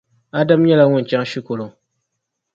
Adam nyɛla ŋun chaŋ shikuru.